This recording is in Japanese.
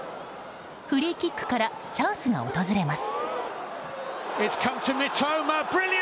フリーキックからチャンスが訪れます。